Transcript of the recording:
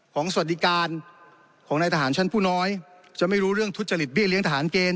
สวัสดิการของนายทหารชั้นผู้น้อยจะไม่รู้เรื่องทุจริตเบี้ยเลี้ยงทหารเกณฑ์